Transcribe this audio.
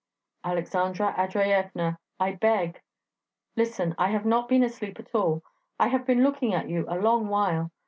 'Aleksandra Andreyevna, I beg!' 'Listen; I have not been asleep at all ... I have been looking at you a long while...